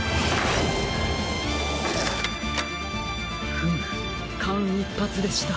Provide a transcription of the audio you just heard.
フムかんいっぱつでした。